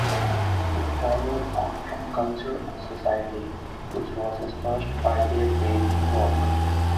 It followed on from "Culture and Society", which was his first widely read work.